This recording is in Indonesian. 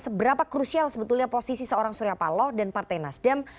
seberapa krusial sebetulnya posisi seorang surya paloh dan partai nasdem